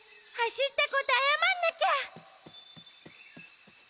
はしったことあやまんなきゃ！